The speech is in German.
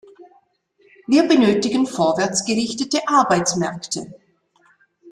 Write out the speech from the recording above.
Wir benötigen vorwärtsgerichtete Arbeitsmärkte.